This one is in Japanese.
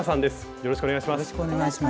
よろしくお願いします。